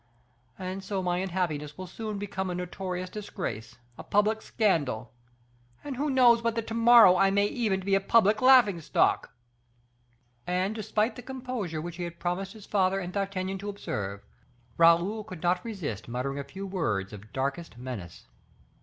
And so my unhappiness will soon become a notorious disgrace, a public scandal; and who knows but that to morrow I may even be a public laughing stock?" And, despite the composure which he had promised his father and D'Artagnan to observe, Raoul could not resist uttering a few words of darkest menace.